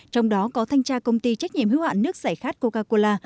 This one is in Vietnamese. trong đó có thanh tra công ty trách nhiệm hữu hạn nước giải khát coca cola